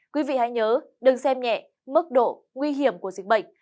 quý vị hãy nhớ đừng xem nhẹ mức độ nguy hiểm của dịch bệnh